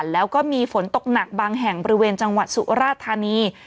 แล้วก็มีฝนตกหนักบางแห่งบริเวณจังหวัดสุราธานี